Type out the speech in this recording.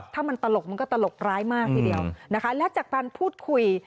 ถ้ามันตลกมันก็ตลกร้ายมากทีเดียวนะคะและจากการพูดคุย